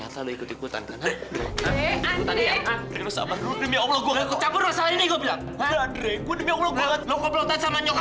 sampai jumpa di video selanjutnya